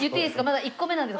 まだ１個目なんです。